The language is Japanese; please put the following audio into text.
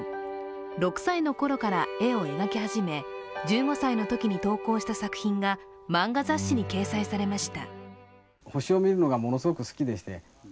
６歳のころから絵を描き始め、１５歳のときに投稿した作品が漫画雑誌に掲載されました。